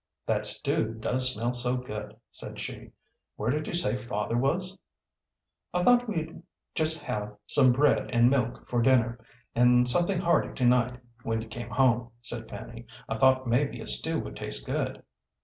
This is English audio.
"That stew does smell so good," said she. "Where did you say father was?" "I thought we'd just have some bread and milk for dinner, and somethin' hearty to night, when you came home," said Fanny. "I thought maybe a stew would taste good."